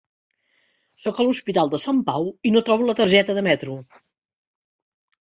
Sóc a l'Hospital de Sant Pau i no trobo la targeta de metro!